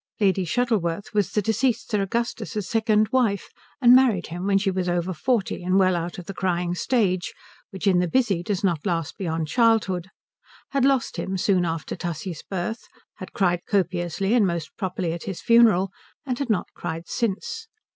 Lady Shuttleworth was the deceased Sir Augustus's second wife, had married him when she was over forty and well out of the crying stage, which in the busy does not last beyond childhood, had lost him soon after Tussie's birth, had cried copiously and most properly at his funeral, and had not cried since.